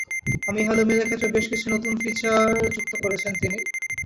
এবারে ইয়াহু মেইলের ক্ষেত্রেও বেশ কিছু নতুন ফিচার যুক্ত করেছেন তিনি।